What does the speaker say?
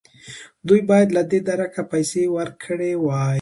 دوی باید له دې درکه پیسې ورکړې وای.